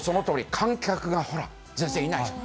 観客がほら、全然いないでしょ。